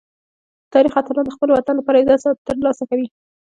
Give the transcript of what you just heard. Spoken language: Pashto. د تاریخ اتلان د خپل وطن لپاره عزت ترلاسه کوي.